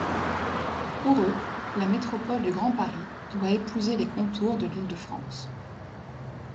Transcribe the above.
Pour eux, la métropole du Grand Paris doit épouser les contours de l'Île-de-France.